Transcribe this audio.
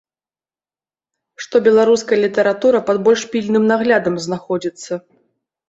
Што беларуская літаратура пад больш пільным наглядам знаходзіцца.